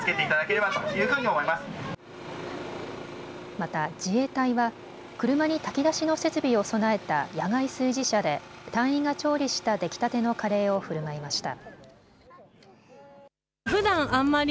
また自衛隊は車に炊き出しの設備を備えた野外炊事車で隊員が調理した出来たてのカレーをふるまいました。